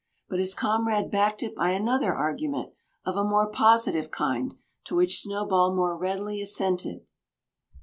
But his comrade backed it by another argument, of a more positive kind, to which Snowball more readily assented.